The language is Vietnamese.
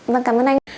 vâng cảm ơn anh